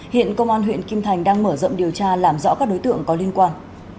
hiện công an huyện kim thành đang mở rộng điều tra làm rõ các đối tượng có liên quan